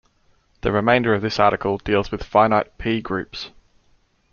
The remainder of this article deals with finite "p"-groups.